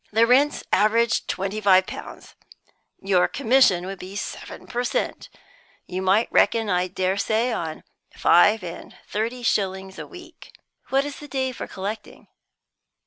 "The rents average twenty five pounds. Your commission would be seven per cent. You might reckon, I dare say, on five and thirty shillings a week." "What is the day for collecting?"